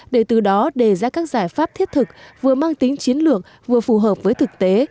để từ đó đề ra các giải pháp thiết thực vừa mang tính chiến lược vừa phù hợp với thực tế